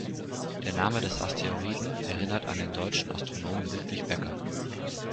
Der Name des Asteroiden erinnert an den deutschen Astronomen Ludwig Becker.